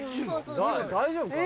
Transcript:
大丈夫かな。